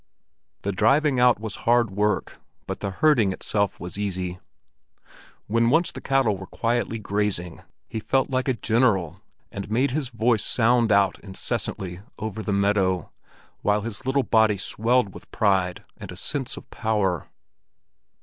The driving out was hard work, but the herding itself was easy. When once the cattle were quietly grazing, he felt like a general, and made his voice sound out incessantly over the meadow, while his little body swelled with pride and a sense of power.